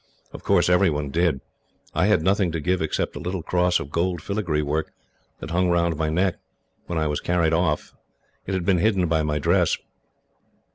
Of course, everyone did. I had nothing to give, except a little cross of gold filigree work, that hung round my neck when I was carried off. It had been hidden by my dress.